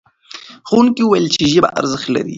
ښوونکي وویل چې ژبه ارزښت لري.